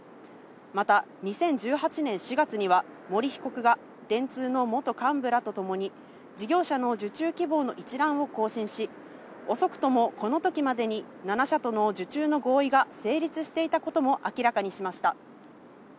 また、２０１８年４月には森被告が電通の元幹部らとともに、事業者の受注希望の一覧を更新し、遅くともこのときまでに７社との受注の合意が成立していたことも明らかにしました。